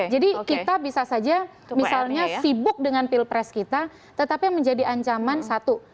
jadi kita bisa saja misalnya sibuk dengan pilpres kita tetapi menjadi ancaman satu